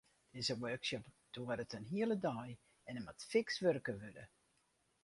Dizze workshop duorret in hiele dei en der moat fiks wurke wurde.